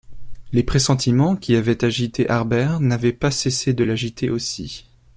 Les pressentiments qui avaient agité Harbert n’avaient pas cessé de l’agiter aussi.